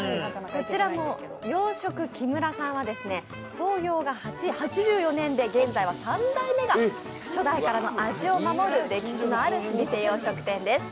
こちらの洋食キムラさんは創業が８４年で現在は３代目が初代からの味を守る、歴史のある洋食店です。